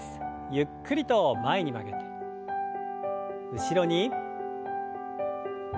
ゆっくりと前に曲げて後ろに。